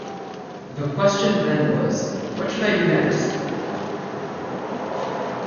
The question then was: what should I do next?